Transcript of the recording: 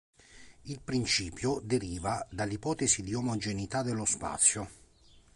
Il principio deriva dall'ipotesi di omogeneità dello spazio.